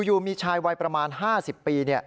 อยู่มีชายวัยประมาณ๕๐ปี